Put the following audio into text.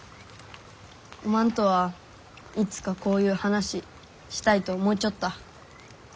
おまんとはいつかこういう話したいと思うちょった。